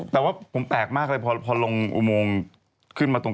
แถวบ้านมักมากเลยมันตกไม่ทั่ว